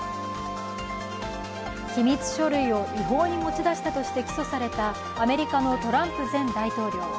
機密書類を違法に持ち出したとして起訴されたアメリカのトランプ前大統領。